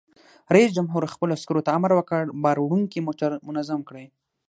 رئیس جمهور خپلو عسکرو ته امر وکړ؛ بار وړونکي موټر منظم کړئ!